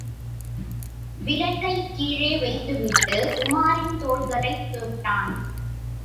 விளக்கைக் கீழே வைத்துவிட்டு, உமாரின் தோள்களைத் தொட்டான்.